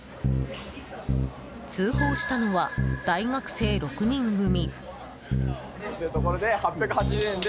通報したのは、大学生６人組。